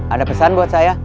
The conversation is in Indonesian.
ada pesan buat saya